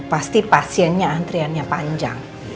pasti pasiennya antriannya panjang